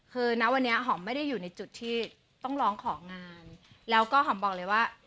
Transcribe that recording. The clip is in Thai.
คือนะวันนี้หอมไม่ได้อยู่ในจุดที่ต้องร้องของานแล้วก็หอมบอกเลยว่า